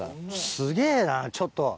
すげぇなちょっと。